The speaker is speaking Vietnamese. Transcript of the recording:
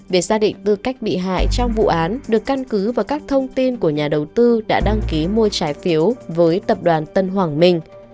việc xác định tư cách bị hại trong vụ án được căn cứ vào các thông tin của nhà đầu tư đã đăng ký mua trái phiếu với tập đoàn tân hoàng minh